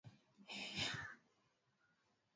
ho nitaenda kupima rasmi